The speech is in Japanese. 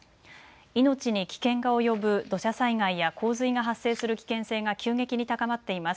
命に危険が及ぶ土砂災害や洪水が発生する危険性が急激に高まっています。